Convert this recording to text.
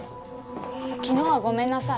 昨日はごめんなさい。